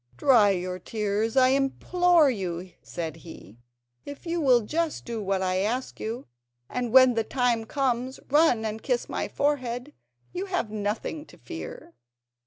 "Dry your tears, I implore you," said he. "If you will just do what I ask you, and when the time comes, run and kiss my forehead, you have nothing to fear."